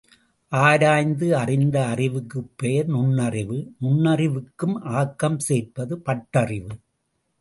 ஆராய்ந்து அறிந்த அறிவுக்கு பெயர் நுண்ணறிவு, நுண்ணறிவுக்கு ஆக்கம் சேர்ப்பது பட்டறிவு.